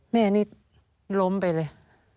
แม่นี่ล้มไปเลย